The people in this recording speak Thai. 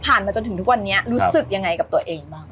มาจนถึงทุกวันนี้รู้สึกยังไงกับตัวเองบ้าง